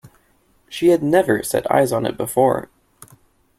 She had never set eyes on it before.